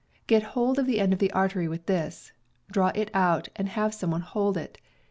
Get hold of the end of the artery with this, draw it out, and have some one hold it.